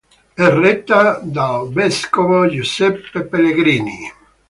È retta dal vescovo Giuseppe Pellegrini.